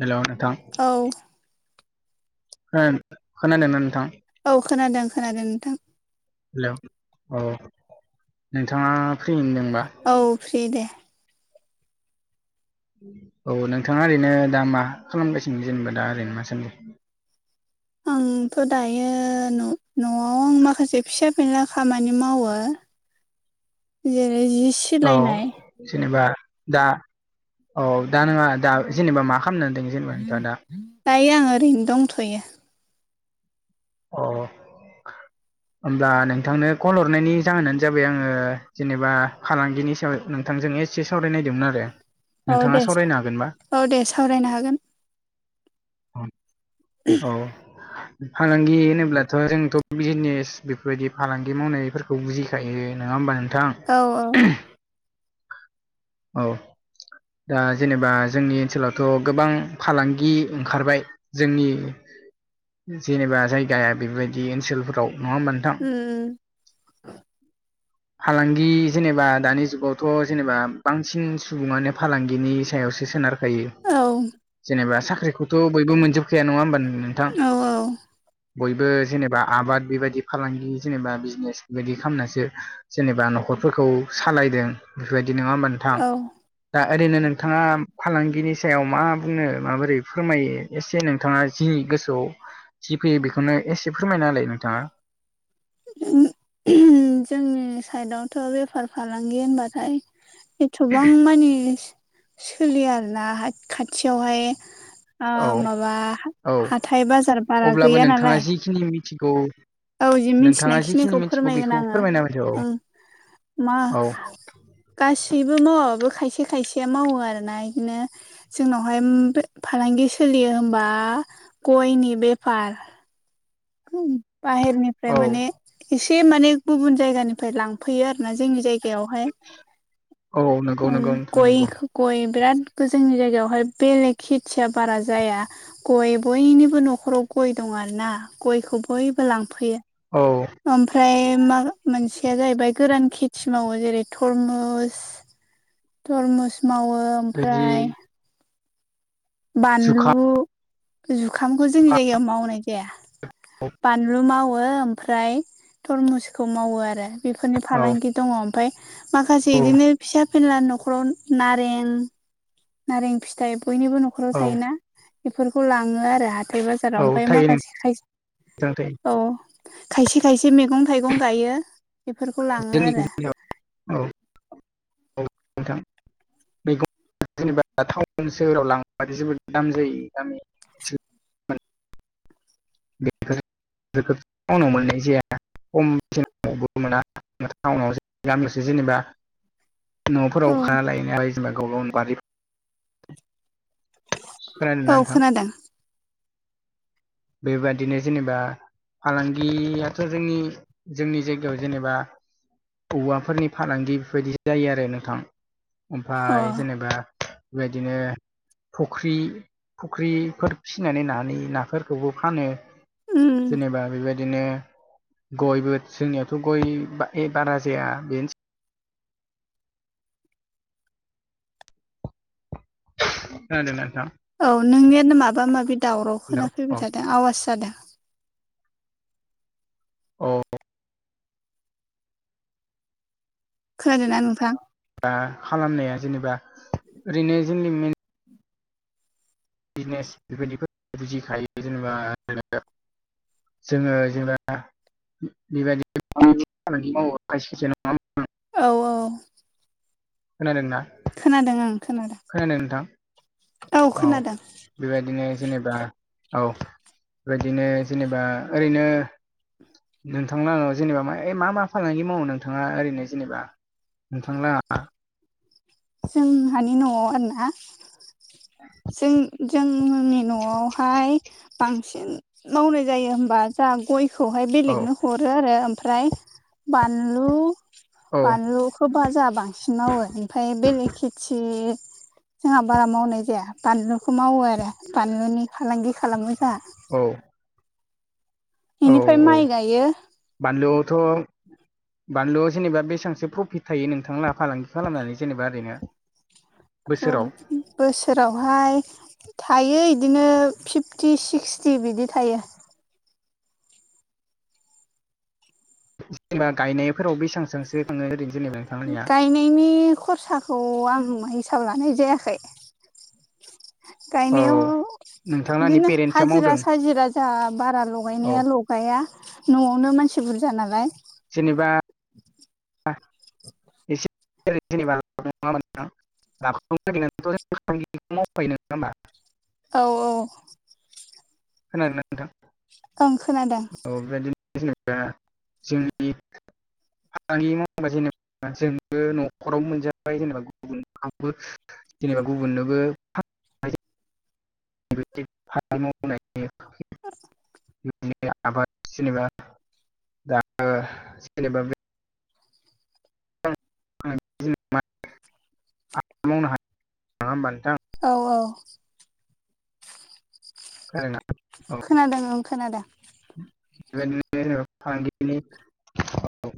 hello नोंथां औ ओं खोनादोंना नोंथां औ खोनादों खोनादों नोंथां हेलौ औ नोंथाङा फ्रि होनदोंबा औ फ्रि दे औ नोंथाङा ओरैनो दा मा खालामगासिनो जेनेबा दा ओरैनो मा सान आंथ' दायो न'आव आं माखासे फिसा फेनला खामानि मावो [inaudible] जेरै जिस औ जेनेबा दा औ दा नङा दा जेनेबा मा खामदों दिनि दायो आं ओरैनो दंथ'यो अ होमब्ला नोंथांनो कल हरनायनि जाहोनानो जाबाय आङो जेनेबा फालांगिनि सायाव नोंथांजों से सावरायनायदोंमोन आरो औ नोंथाङा दे सावरायनो हागोनबा ओ दे सावरायनो हागोन औ फालांगि होनोब्लाथ' जोंथ' बिजनेस बेफोरबायदि फालांगि मावनायफोरखौ बुजियो हायो नोङा होमबा नोंथां औ औ औ दा जेनेबा जोंनि ओनसोलावथ' गोबां फालांगि ओंखारबाय जोंनि जेनेबा जायगाया बेबायदि ओनसोलफोराव नङा होमबा नोंथां उम उम फालांगि जेनेबा दानि जुगावथ' जेनेबा बांसिन सुबुङानो फालांगिनि सायावसो सोनारखायो औ जेनेबा साख्रिखौथ' बयबो मोनजोबखाया नङा होमबा नोंथां औ बयबो जेनेबा आबाद बेबायदि फालांगि जेनेबा बिजनेस बेबायदि खालामनासो जेनेबा न'खरफोरखौ सालायदों बेफोरबायदि नङा होमबा नोंथां औ दा ओरैनो नोंथाङा फालांगिनि सायाव मा बुंनो माबोरै फोरमायो एसे नोंथाङा जि गोसोआव जि फैयो बेखौनो एसे फोरमायना होलाय नोंथाङा जोंनि साइडआवथ' बेफार फालांगि होनबाथाय एथबां मानि सोलियो आरोना खाथियावहाय ओ औ माबा औ हाथाय बाजार बारा गैया नालाय खिनि मिथिखौ औ जि मिथिनायखिनिखौ फोरमायगोन बेखौ आङो फोरमायना होदो ओं मा औ गासैबो मावाबाबो खायसे खायसेया मावो आरोना बिदिनो जोंनावहाय फालांगि सोलियो होनबा गयनि बेफार बाहेरनिफ्राय औ माने एसे माने गुबुन जायगानिफ्राय लांफैयो आरो ना जोंनि जायगायावहाय औ नंगौ उम नंगौ नोंथां गय नंगौ गय बिराद जोंनि जायगायावहाय बेलेग खेथिया बारा जाया गय बयनिबो न'खराव गय दं आरोना गयखौ बयबो लांफैयो औ ओमफ्राय मा मोनसेया जाहैबाय गोरान खेथि मावो जेरै थरमुस थरमुस मावो बिदि ओमफ्राय जुखाम बानलु जुखामखौ जोंनि जायगायाव मावनाय जाया बानलु मावो ओमफ्राय तरमुसखौ मावो आरो बेफोरनि औ फालांगि दङ ओमफ्राय औ माखासे बिदिनो फिसा फेनला न'खराव नारें नारें फिथाय बयनिबो न'खराव औ थायोना बेफोरखौ लाङो आरो हाथाय बा बाजाराव औ ओमफ्राय थायो माखासे खाय नोंथां थायो औ खायसे खायसे मैगं थाइगं गायो बेफोरखौ लाङो जोंनि आरो औ औ नोंथां मैगं जेनेबा टाउन सोहोराव लाबाथाय जोबोद दाम जायो गामि बेफोरखौ मोननाय जाया खम बेसेन बेयाव‌ मोना टाउनाव गामियावसो जेनेबा औ न'फोरावखा लायनायालाय जेनेबा गाव गावनि बारि खोनादोंना औ नोंथां खोनादों बेबादिनो जेनेबा फालांगियाथ' जोंनि जोंनि जायगायाव जेनेबा औवाफोरनि फालांगि बेफोरबायदि जायो आरो नोंथां अ ओमफ्राय जेनेबा बेबायदिनो फख्रि फख्रिफोर फिनानै नानि नाफोर खौबो फानो उम जेनेबा बेबायदि बिदिनो गयबो जोंनियावथ' गय बारा जाया बेनोसै खोनादोंना नोंथां औ नोंनियानो माबा माबि दावराव हेलौ खोना औ फैबाय थादों आवास जादों औ खोनादोंना नोंथां खालामनाया जेनेबा ओरैनो जोंनि बिजनेस बेबायदिखौ बुजिखायो जेनेबा जोङो जेनेबा बेबायदि खामानि मावो खायसे जा औ औ खोनादोंना खोनादों ओं खोनादों औ खोनादों बेबायदिनो जेनेबा औ बेबायदिनो जेनेबा ओरैनो नोंथां लाङा जेनेबा मा मा फालांगि मावो नोंथाङा ओरैनो जेनेबा नोंथांलाहा जोंहानि न'वाव आरोना जों जोंनि न'वावहाय बांसिन बांसिन मावनाय जायो होमबा जों गयखौहाय औ बेलेगनो हरो आरो ओमफ्राय बानलु औ बानलुखोबा जा बां बांसिन मावो ओमफ्राय बेलेग खेथि जोंहा बारा मावनाय जाया बानलु बेखौ मावो आरो बानलुनि फालांगि खालामो जोंहा औ इनिफ्राय माइ गायो बानलुथ' बानलुआव जेनेबा बेसेबांसो प्रफिट थायो नोंथां लाहा फालांगि खालामनानै जेनेबा ओरैनो बोसोराव बोसोरावहाय थायो बिदिनो फिफ्टि सिक्सटि बिदि थायो जेनेबा गायनायफोराव बेसांसो थाङो ओरैनो जेनेबा नोंथांमोननिया गायनायनि खरसाखौ आं हिसाब लानाय जायाखै औ गायनायाव नोंथांलाहानि बिदिनो पेरेन्टसा हाजिरा मावदों साजिरा जा बारा औ लगायनाया ल लाया न'वावनो मानसि बुरजा नालाय जेनेबा जै जेनेबा' मावफायो नङा होमबा [unintelligible] औ औ खोनादों ना नोंथां ओं खोनादों औ बेबायदिनो जेनेबा जोंनि फालांगि मावबा जेनेबा [unintelligible] जोंबो नखरावबो मोनजाबाय जेनेबा गुबुन जेनेबा गुबुननोबो बेबादि फालांगि मावनायनि [unintelligible] [inaudible] नि आबाद जेनबा दा जेनेबा [unintelligible] आ मावनो हायो नङा ओमबा नोंथां [unintelligible] औ औ [unintelligible] खोनादों खोनादों बेबादिनो जों फालांगिनि [unintelligible]